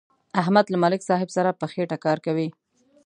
احمد له ملک صاحب سره په خېټه کار کوي.